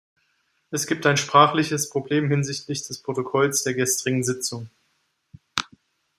Es gibt ein sprachliches Problem hinsichtlich des Protokolls der gestrigen Sitzung.